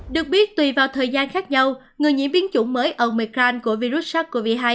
được biết tùy vào thời gian khác nhau người nhiễm biến chủng mới omecrand của virus sars cov hai